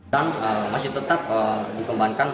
dan masih tetap dikembangkan